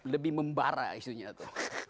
lebih membarah isunya tuh